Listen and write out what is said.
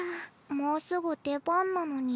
もうすぐ出番なのに。